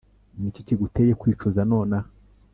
Niki kiguteye kwicuza nonaha